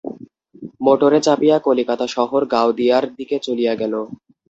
মোটরে চাপিয়া কলিকাতা শহর গাওদিয়ার দিকে চলিয়া গেল।